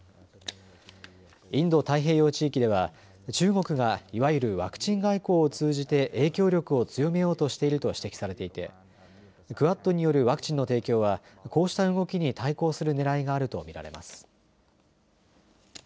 インド太平洋地域では中国がいわゆるワクチン外交を通じて影響力を強めようとしていると指摘されていてクアッドによるワクチンの提供はこうした動きに対抗するねらいがあると見られます。